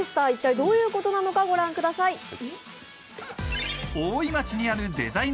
一体どういうことなのか、御覧ください。